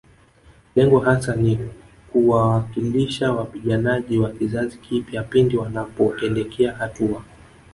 Lengo hasa ni kuwawakilisha wapiganaji wa kizazi kipya pindi wanapoelekea hatua